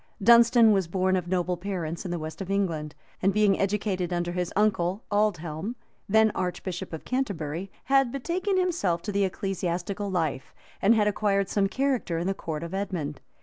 Dunstan was born of noble parents in the west of England; and being educated under his uncle Aldhelm, then archbishop of Canterbury, had betaken himself to the ecclesiastical life, and had acquired some character in the court of Edmund.